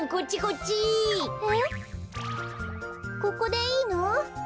ここでいいの？